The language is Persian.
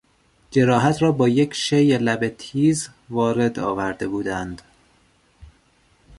جراحت را با یک شی لبه تیز وارد آورده بودند.